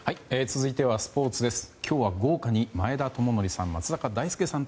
続いてはスポーツです。